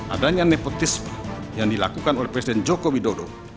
adanya nepotisme yang dilakukan oleh presiden joko widodo